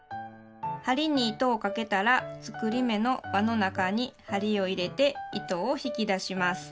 針に糸をかけたら作り目の「わ」の中に針を入れて糸を引き出します。